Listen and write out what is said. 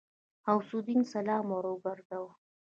غوث الدين سلام وګرځاوه.